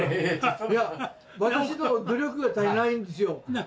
いや私の努力が足りないんですよ。